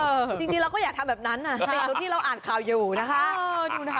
จริงเราก็อยากทำแบบนั้นในตัวที่เราอ่านข่าวอยู่นะคะ